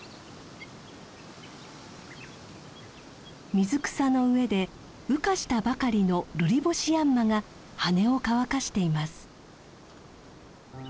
水草の上で羽化したばかりのルリボシヤンマが羽を乾かしています。